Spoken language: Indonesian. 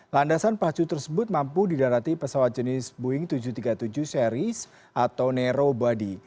landasan pacu tersebut mampu didarati pesawat jenis boeing tujuh ratus tiga puluh tujuh series atau narrow body